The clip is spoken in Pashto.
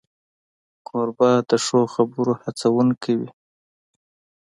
کوربه د ښو خبرو هڅونکی وي.